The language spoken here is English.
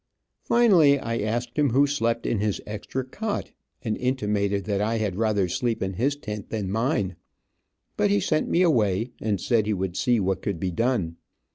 Finally I asked him who slept in his extra cot, and intimated that I had rather sleep in his tent than mine, but he sent me away, and said he would see what could be done.